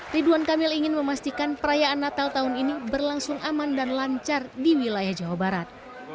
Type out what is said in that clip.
ridwan kamil ingin memastikan perayaan natal tahun ini berlangsung aman dan lancar di wilayah jawa barat